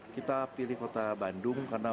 kita pilih kota bandung karena